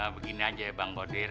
begini aja bang bodir